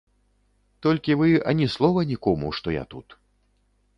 Толькі вы ані слова нікому, што я тут.